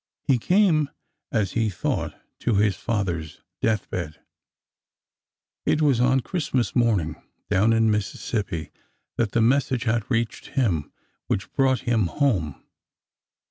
He came, as he thought, to his father's death bed. It was on Christmas morning, down in Mississippi, that the message had reached him which brought him home.